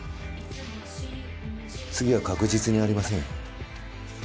次は確実にありませんよ。